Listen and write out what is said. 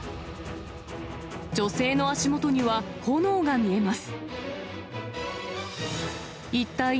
女性の足元には、炎が見えます。